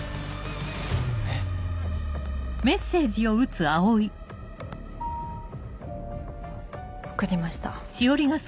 えっ？送りました。